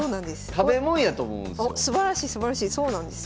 食べもんやと思うんですよ。